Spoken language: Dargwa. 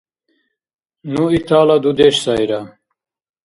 Ну итала дудеш сайра.